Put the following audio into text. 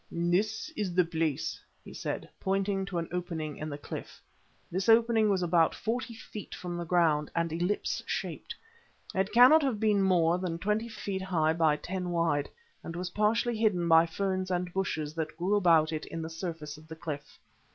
"There is the place," he said, pointing to an opening in the cliff. This opening was about forty feet from the ground, and ellipse shaped. It cannot have been more than twenty feet high by ten wide, and was partially hidden by ferns and bushes that grew about it in the surface of the cliff.